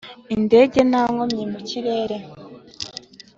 indege nta nkomyi mu kirere